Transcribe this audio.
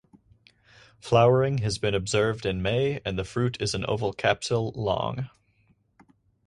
Flowering has been observed in May and the fruit is an oval capsule long.